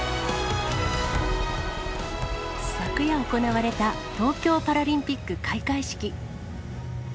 昨夜行われた、東京パラリンピック開会式。